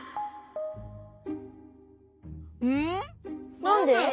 なんで？